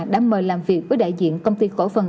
đã mời làm việc với đại diện công ty cổ phần